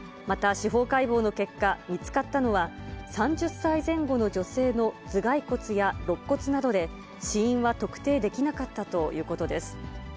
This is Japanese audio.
また、司法解剖の結果、見つかったのは、３０歳前後の女性の頭蓋骨やろっ骨などで、死因は特定できなかったということです。